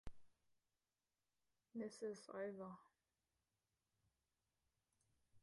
This is over.